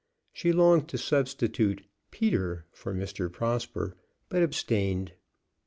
She longed to substitute "Peter" for Mr. Prosper, but abstained.